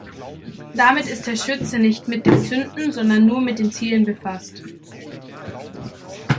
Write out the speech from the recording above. Damit ist der Schütze nicht mit dem Zünden, sondern nur mit dem Zielen befasst.